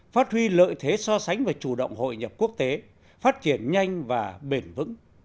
phát huy lợi thế so sánh và chủ động hội nhập quốc tế phát triển nhanh và bền vững